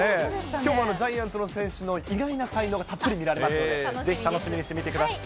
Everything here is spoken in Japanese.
きょうもジャイアンツの選手の意外な才能がたっぷり見られますんで、ぜひ楽しみにしてみてください。